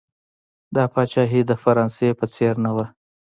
دا پاچاهي د فرانسې په څېر نه وه.